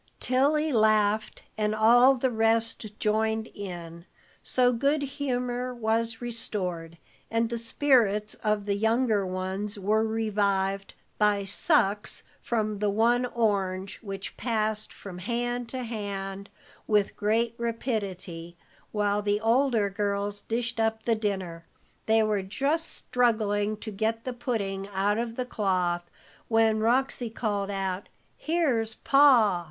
Tilly laughed, and all the rest joined in, so good humor was restored, and the spirits of the younger ones were revived by sucks from the one orange which passed from hand to hand with great rapidity, while the older girls dished up the dinner. They were just struggling to get the pudding out of the cloth when Roxy called out, "Here's Pa!"